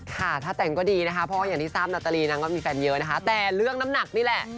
ค่ะถ้าแต่งก็ดีนะคะเพราะว่าอย่างที่ทราบนาตาลีนางก็มีแฟนเยอะนะคะแต่เรื่องน้ำหนักนี่แหละ